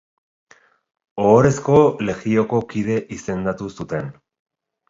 Ohorezko Legioko kide izendatu zuten.